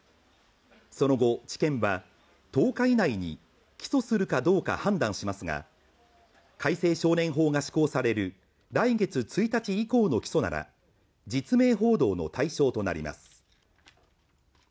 その後、地検は、１０日以内に起訴するかどうか判断しますが、改正少年法が施行される来月１日以降の起訴なら、実名報道の対象となります。